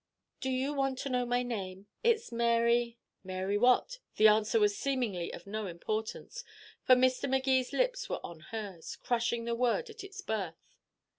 "Do you want to know my name? It's Mary " Mary what? The answer was seemingly of no importance, for Mr. Magee's lips were on hers, crushing the word at its birth.